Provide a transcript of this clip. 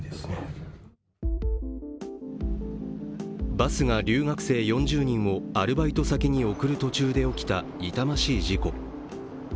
バスが留学生４０人をアルバイト先に送る途中で起きた痛ましい事故。